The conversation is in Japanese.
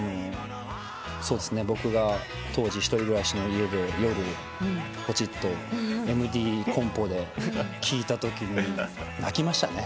僕が当時一人暮らしの家で夜ぽちっとＭＤコンポで聴いたとき泣きましたね。